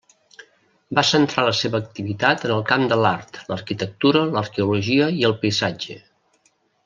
Va centrar la seva activitat en el camp de l'art, l'arquitectura, l'arqueologia i el paisatge.